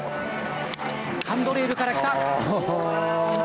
ハンドレールから来た。